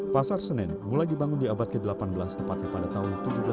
pasar senen mulai dibangun di abad ke delapan belas tepatnya pada tahun seribu tujuh ratus sembilan puluh